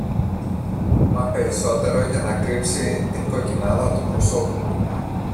μα περισσότερο για να κρύψει την κοκκινάδα του προσώπου του.